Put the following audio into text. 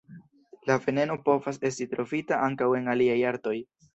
La veneno povas esti trovita ankaŭ en aliaj artoj.